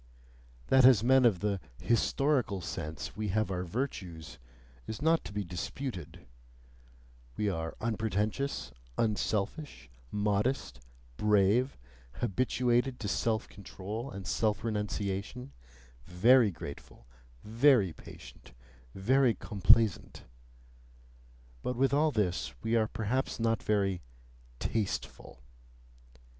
That as men of the "historical sense" we have our virtues, is not to be disputed: we are unpretentious, unselfish, modest, brave, habituated to self control and self renunciation, very grateful, very patient, very complaisant but with all this we are perhaps not very "tasteful."